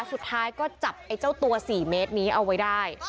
สุดท้ายก็จับไอ้เจ้าตัว๔เมตรนี้เอาไว้ได้